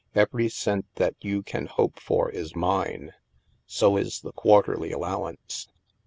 Every cent that you can hope for is mine. So is the quarterly allowance.